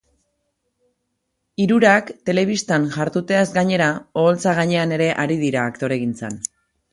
Hirurak, telebistan jarduteaz gainera, oholtza gainean ere ari dira aktoregintzan.